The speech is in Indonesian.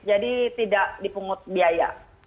jadi tidak dipungut biaya